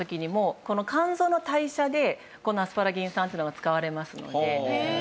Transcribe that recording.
肝臓の代謝でこのアスパラギン酸っていうのが使われますので。